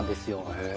へえ。